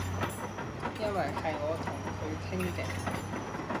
因爲係我同佢傾嘅